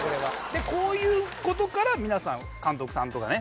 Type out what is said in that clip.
でこういうことから皆さん監督さんとかね